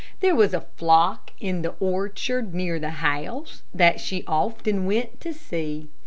There was a flock in the orchard near the house that she often went to see.